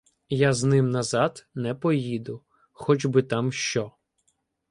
Я з ним назад не поїду — хоч би там що.